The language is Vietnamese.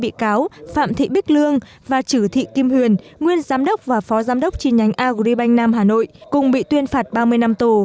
năm bị cáo phạm thị bích lương và chử thị kim huyền nguyên giám đốc và phó giám đốc chi nhánh agribank nam hà nội cùng bị tuyên phạt ba mươi năm tù